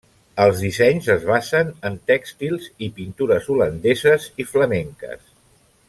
Els dissenys es basen en tèxtils i pintures holandeses i flamenques.